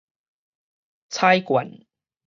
彩劵